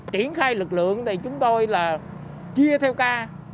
triển khai lực lượng thì chúng tôi là chia theo ca